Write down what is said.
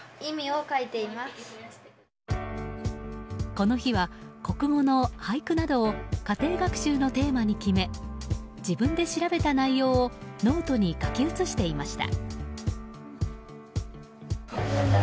この日は、国語の俳句などを家庭学習のテーマに決め自分で調べた内容をノートに書き写していました。